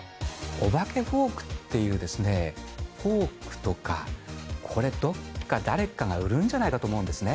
お化けフォークっていう、フォークとか、これどっか、誰かが売るんじゃないかと思うんですね。